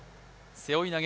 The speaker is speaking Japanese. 背負い投げ！